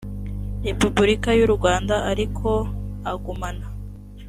repubulika y u rwanda ariko agumana